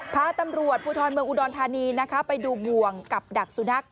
พาตำรวจภูทรเมืองอุดรธานีไปดูบวงกับดักศุนักษณ์